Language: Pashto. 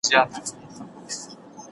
که میندې پوهې وي نو تغذیه به ناسمه نه وي.